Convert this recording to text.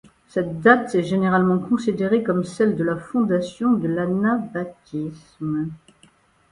Cette date est généralement considérée comme celle de la fondation de l'anabaptisme.